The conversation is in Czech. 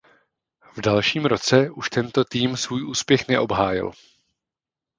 V dalším roce už tento tým svůj úspěch neobhájil.